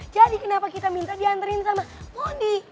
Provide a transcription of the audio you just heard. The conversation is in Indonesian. jadi kenapa kita minta dihanterin sama mondi